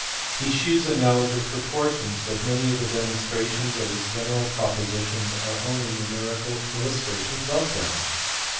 He shews a knowledge of proportion ; but many of the demonstrations of his general propositions are only numerical illustrations of them.